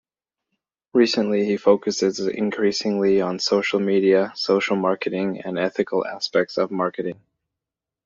Recently he focuses increasingly on social media, social marketing and ethical aspects of marketing.